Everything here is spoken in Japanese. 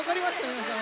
皆さん。